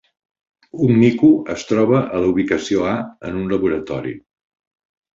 Un mico es troba a la ubicació A en un laboratori.